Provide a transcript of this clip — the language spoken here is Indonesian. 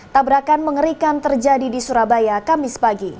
tabrakan mengerikan terjadi di surabaya kamis pagi